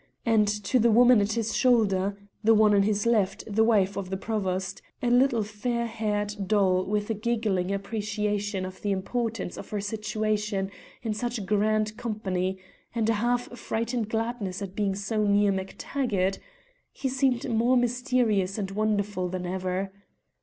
And to the woman at his shoulder (the one on his left the wife of the Provost, a little fair haired doll with a giggling appreciation of the importance of her situation in such grand company, and a half frightened gladness at being so near MacTaggart) he seemed more mysterious and wonderful than ever.